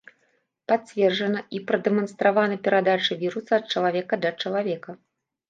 Пацверджана і прадэманстравана перадача віруса ад чалавека да чалавека.